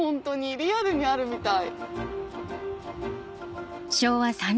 リアルにあるみたい。